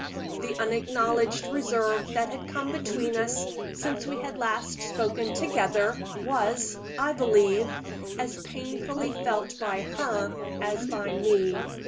The unacknowledged reserve that had come between us since we had last spoken together, was, I believe, as painfully felt by her as by me.